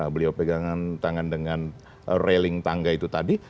beliau pegangan tangan dengan railing tangga itu tadi